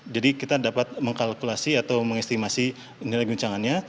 jadi kita dapat mengkalkulasi atau mengestimasi nilai guncangannya